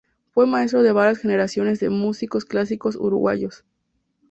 Fue maestro de varias generaciones de músicos clásicos uruguayos.